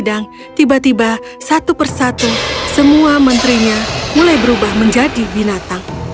di ruang sidang tiba tiba satu persatu semua menterinya mulai berubah menjadi binatang